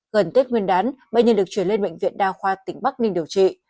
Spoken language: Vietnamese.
gần tết nguyên đán bệnh nhân được chuyển lên bệnh viện đa khoa tỉnh bắc ninh điều trị